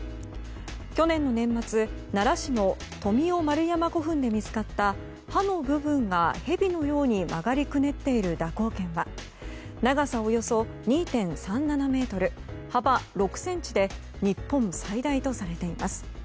去年の年末、奈良市の富雄丸山古墳で見つかった刃の部分が蛇のように曲がりくねっている蛇行剣は長さおよそ２．３７ｍ幅６ｃｍで日本最大とされています。